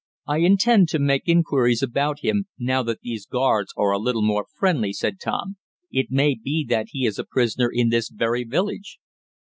"I intend to make inquiries about him, now that these guards are a little more friendly," said Tom. "It may be that he is a prisoner in this very village."